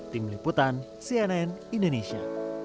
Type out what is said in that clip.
tim liputan cnn indonesia